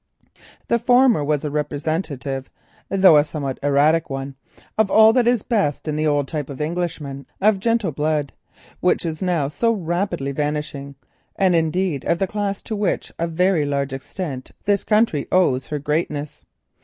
The former was a representative, though a somewhat erratic one, of all that is best in the old type of Englishmen of gentle blood, which is now so rapidly vanishing, and of the class to which to a large extent this country owes her greatness.